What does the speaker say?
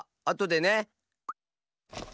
あとでね。